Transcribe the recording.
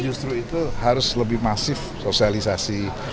justru itu harus lebih masif sosialisasi